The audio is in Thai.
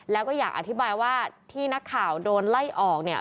แล้วก็อยากอธิบายว่าที่นักข่าวโดนไล่ออกเนี่ย